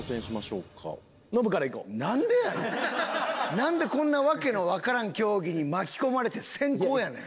なんでこんな訳のわからん競技に巻き込まれて先攻やねん。